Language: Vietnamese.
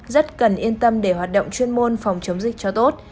rất cần yên tâm để hoạt động chuyên môn phòng chống dịch cho tốt